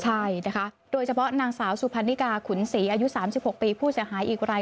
ใช่นะคะโดยเฉพาะนางสาวสุพรรณิกาขุนศรีอายุ๓๖ปีผู้เสียหายอีกราย